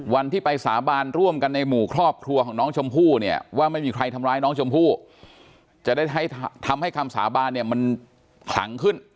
วันที่ไปสาบานร่วมกันในหมู่ครอบครัวของน้องชมพู่เนี่ยว่าไม่มีใครทำร้ายน้องชมพู่จะได้ทำให้คำสาบานเนี่ยมันขลังขึ้น